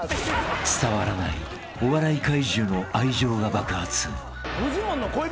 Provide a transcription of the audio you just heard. ［伝わらないお笑い怪獣の愛情が爆発］